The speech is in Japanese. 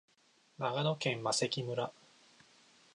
長野県麻績村